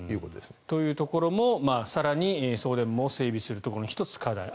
というところも更に送電網を整備する１つの課題。